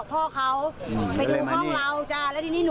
ตามหมีก็เริ่มจะไปทามอะไรสุดท้ายถึงทีนี้